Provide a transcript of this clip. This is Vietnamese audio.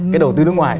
cái đầu tư nước ngoài